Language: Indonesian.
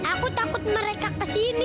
aku takut mereka kesini